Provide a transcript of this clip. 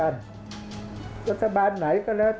ภาคอีสานแห้งแรง